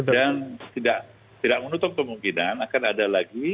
dan tidak menutup kemungkinan akan ada lagi